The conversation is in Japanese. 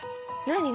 何？